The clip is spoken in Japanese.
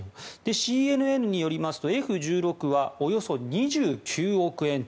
ＣＮＮによりますとＦ１６はおよそ２９億円と。